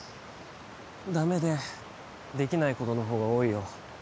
ダメでできないことの方が多いよ